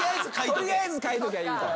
取りあえず書いときゃいいと。